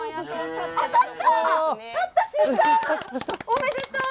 おめでとう！